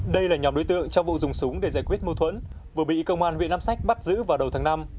đây là nhóm đối tượng trong vụ dùng súng để giải quyết mâu thuẫn vừa bị công an huyện nam sách bắt giữ vào đầu tháng năm